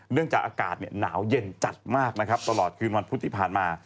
เนื่องจากอากาศหนาวเย็นจัดมากนะครับตลอดคืนวันพุธที่ผ่านมา